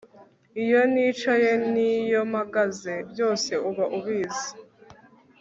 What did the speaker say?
iyo nicaye n'iyo mpagaze, byose uba ubizi